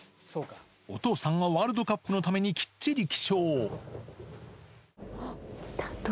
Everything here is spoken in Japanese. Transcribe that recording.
お父さんがワールドカップのためにきっちり起床。